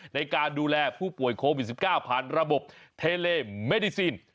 ในการดูแลผู้ป่วยโควิด๑๙ผ่านระบบเทเลเมดิซีน